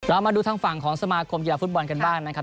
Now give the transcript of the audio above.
มาดูทางฝั่งของสมาคมกีฬาฟุตบอลกันบ้างนะครับ